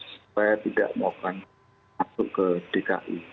supaya tidak mau akan masuk ke dki